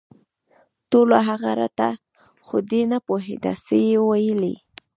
ټولو هغه رټه خو دی نه پوهېده څه یې ویلي